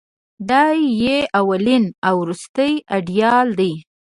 دای یې اولین او وروستۍ ایډیال دی.